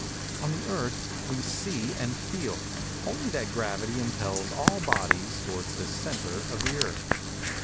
On the Earth we see and feel, only that gravity impels all bodies towards the centre of the Earth.